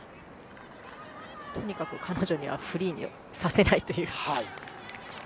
とにかく彼女はフリーにさせないという。